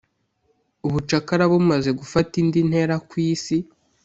Ubucakara bumaze gufata indi ntera ku isi